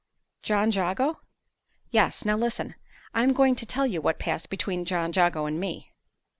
"John Jago?" "Yes. Now listen. I am going to tell you what passed between John Jago and me."